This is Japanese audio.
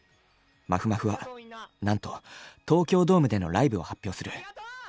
まふまふはなんと東京ドームでのライブを発表する。